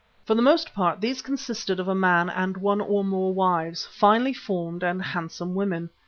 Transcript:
For the most part these consisted of a man and one or more wives, finely formed and handsome women.